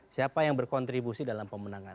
siapa yang berkontribusi dalam pemenangan